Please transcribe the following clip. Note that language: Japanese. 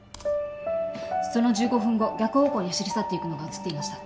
その１５分後逆方向に走り去っていくのが写っていました